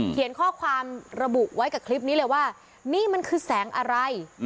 เขียนข้อความระบุไว้กับคลิปนี้เลยว่านี่มันคือแสงอะไร